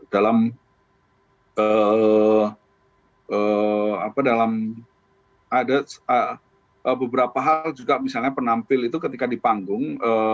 dalam ada beberapa hal juga misalnya penampil itu ketika di panggung